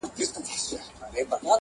نیکه لمیسو ته نکلونه د جنګونو کوي،